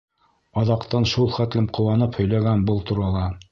Аҙаҡтан шул хәтлем ҡыуанып һөйләгән был турала.